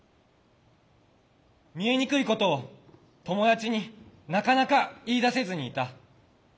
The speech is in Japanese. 見えにくいことを友達になかなか言いだせずにいた。